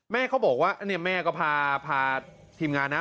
แม่เขาบอกว่าแม่ก็พาทีมงานนะ